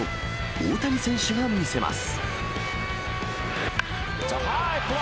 大谷選手が見せます。